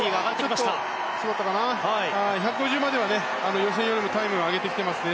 １５０までは予選よりもタイムを上げてますね